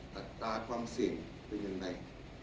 ตัดตาความเสี่ยงเป็นอย่างไร